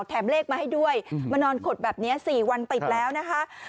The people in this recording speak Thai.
เลขมาให้ด้วยมานอนขดแบบนี้๔วันติดแล้วนะคะ